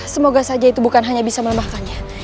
semoga saja itu bukan hanya bisa melemahkannya